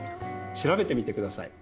調べてみてください。